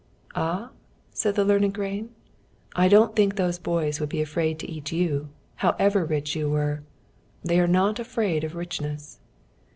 "Ah?" said the learned grain. "I don't think those boys would be afraid to eat you, however rich you were. They are not afraid of richness."